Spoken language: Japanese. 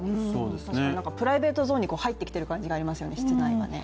確かにプライベートゾーンに入ってきてる感じがありますよね、室内はね。